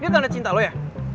tanda cinta lu ya